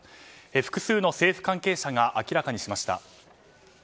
複数の政府関係者が明らかにしました。